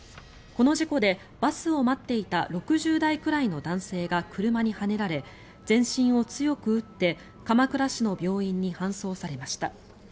この事故でバスを待っていた６０代くらいの男性が車にはねられ、全身を強く打って鎌倉市の病院に搬送されました。